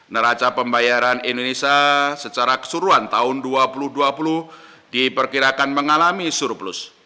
neraca pembayaran indonesia secara keseluruhan tahun dua ribu dua puluh diperkirakan mengalami surplus